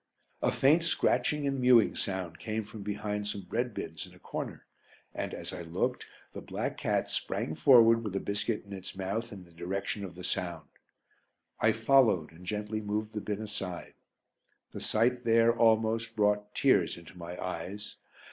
A faint scratching and mewing sound came from behind some bread bins in a corner and, as I looked, the black cat sprang forward with a biscuit in its mouth in the direction of the sound. I followed and gently moved the bin aside. The sight there almost brought tears into my eyes.